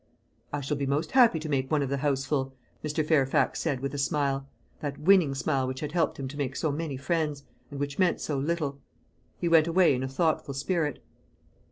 "I shall be most happy to make one of the houseful," Mr. Fairfax said, with a smile that winning smile which had helped him to make so many friends, and which meant so little. He went away in a thoughtful spirit.